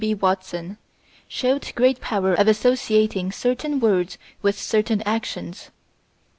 B. Watson, showed great power of associating certain words with certain actions.